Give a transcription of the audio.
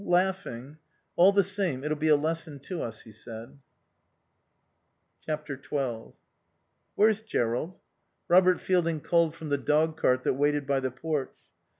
Laughing.... All the same, it'll be a lesson to us," he said. xii "Where's Jerrold?" Robert Fielding called from the dogcart that waited by the porch.